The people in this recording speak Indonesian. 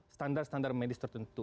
standar standar medis tertentu